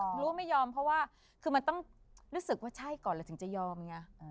รู้ไม่ยอมเพราะว่าคือมันต้องรู้สึกว่าใช่ก่อนเราถึงจะยอมไง